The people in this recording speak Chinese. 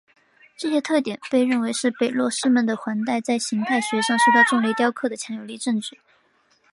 这些特点被认为是北落师门的环带在形态学上受到重力雕刻的强有力证据。